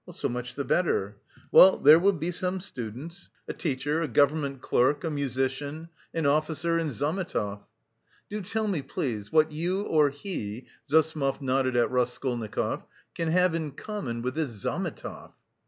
"So much the better. Well, there will be some students, a teacher, a government clerk, a musician, an officer and Zametov." "Do tell me, please, what you or he" Zossimov nodded at Raskolnikov "can have in common with this Zametov?"